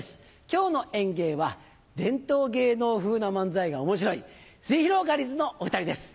今日の演芸は伝統芸能風な漫才が面白いすゑひろがりずのお２人です。